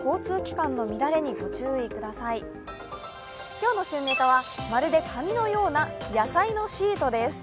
今日の旬ネタはまるで紙のような野菜のシートです。